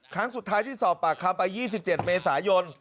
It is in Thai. ครั้งสุดท้ายที่สอบปากคำไป๒๗เมษายน